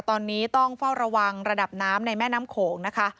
ตอนนี้ต้องเฝ้าระวังระดับน้ำในแม่น้ำโขงนะคะ